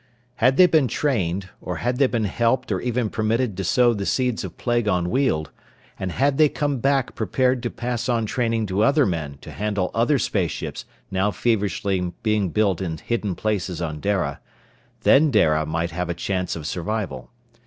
Had they been trained, and had they been helped or even permitted to sow the seeds of plague on Weald, and had they come back prepared to pass on training to other men to handle other space ships now feverishly being built in hidden places on Dara, then Dara might have a chance of survival.